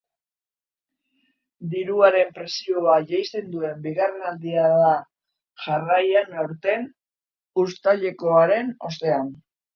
Diruaren prezioa jaisten duen bigarren aldia da jarraian aurten, uztailekoaren ostean.